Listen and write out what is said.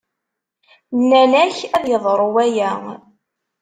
Nnan-ak ad yeḍru waya.